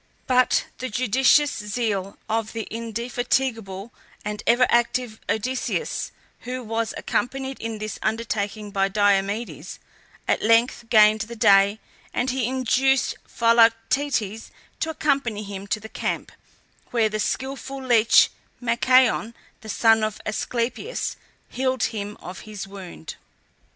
But the judicious zeal of the indefatigable and ever active Odysseus, who was accompanied in this undertaking by Diomedes, at length gained the day, and he induced Philoctetes to accompany him to the camp, where the skilful leech Machaon, the son of Asclepias, healed him of his wound.